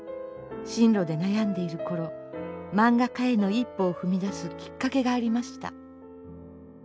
進路で悩んでいる頃漫画家への一歩を踏み出すきっかけがありました。